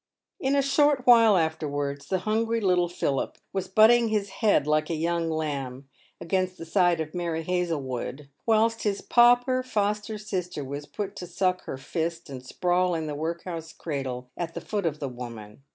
In a short while afterwards the hungry little Philip was butting his head like a young lamb against the side of Mary Hazlewood, whilst his pauper foster sister was put to suck her fist and sprawl in the workhouse cradle at the foot of the woman.